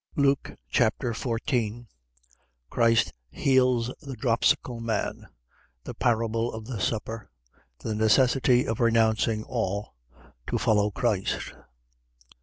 Luke Chapter 14 Christ heals the dropsical man. The parable of the supper. The necessity of renouncing all to follow Christ.